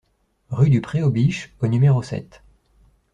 Rue du Pré aux Biches au numéro sept